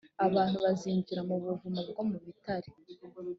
abantu bazinjira mu buvumo bwo mu bitare